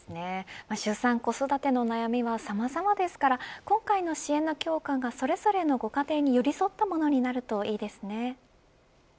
出産子育ての悩みはさまざまですから今回の支援の強化がそれぞれのご家庭に寄り添ったものになるといいですね。